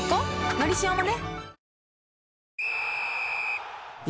「のりしお」もね